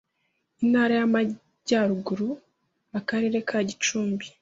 Intara y’Amajyaruguru, akarere ka Gicumbi